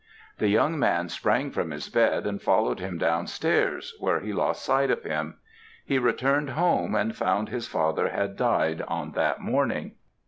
The young man sprang from his bed, and followed him down stairs, where he lost sight of him. He returned home, and found his father had died on that morning.